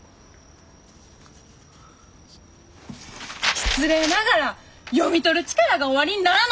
失礼ながら読み取る力がおありにならないのでは？